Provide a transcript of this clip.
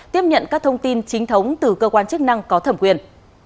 tiếp nhận các thông tin chính thống từ cơ quan chức năng có thẩm quyền